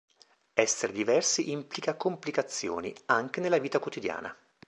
Essere diversi implica complicazioni, anche nella vita quotidiana.